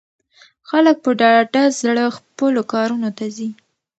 خلک په ډاډه زړه خپلو کارونو ته ځي.